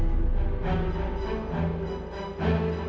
tidak ada yang bisa mengaku